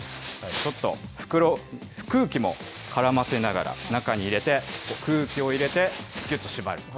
ちょっと袋に空気も絡ませながら中に入れて空気を入れて、ぎゅっと縛る。